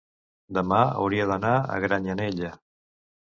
demà hauria d'anar a Granyanella.